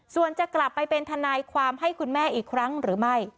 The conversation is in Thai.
ส่วนจะกลับไปเป็นทนายความให้คุณแม่อีกครั้งหรือไม่